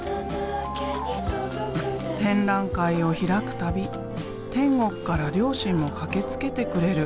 展覧会を開く度天国から両親も駆けつけてくれる。